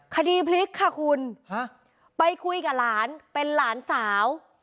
คดีพลิกค่ะคุณฮะไปคุยกับหลานเป็นหลานสาว